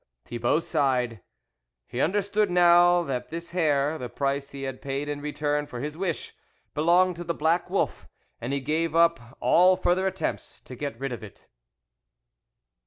Thibault sighed ; he understood now that this hair, the price he had paid in return for his wish, belonged to the black wolf, and he gave up all further attempts to get rid of it.